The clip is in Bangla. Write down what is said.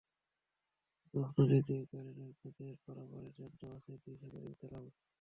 নাফ নদীর দুই পারে রোহিঙ্গাদের পারাপারের জন্য আছে দুই শতাধিক দালাল।